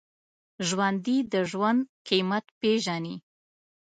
ژوندي د ژوند قېمت پېژني